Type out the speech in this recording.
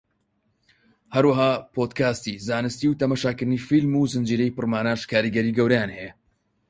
هەروەها پۆدکاستی زانستی و تەماشاکردنی فیلم و زنجیرەی پڕماناش کاریگەری گەورەیان هەیە